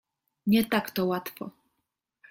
— Nie tak to łatwo.